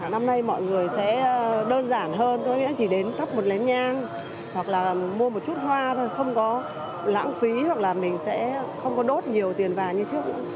năm nay mọi người sẽ đơn giản hơn chỉ đến tắp một lén nhang hoặc là mua một chút hoa thôi không có lãng phí hoặc là mình sẽ không có đốt nhiều tiền vào như trước